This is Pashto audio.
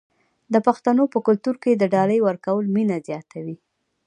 د پښتنو په کلتور کې د ډالۍ ورکول مینه زیاتوي.